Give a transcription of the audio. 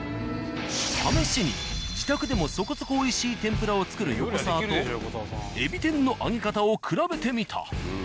試しに自宅でもそこそこ美味しい天ぷらを作る横澤と海老天の揚げ方を比べてみた。